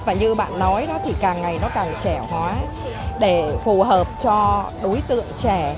và như bạn nói càng ngày càng trẻ hóa để phù hợp cho đối tượng trẻ